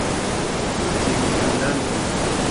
Ne je ngku me ne mi.